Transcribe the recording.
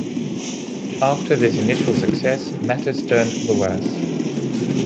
After this initial success, matters turned for the worse.